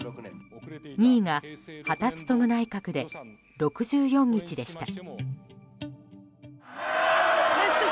２位が羽田孜内閣で６４日でした。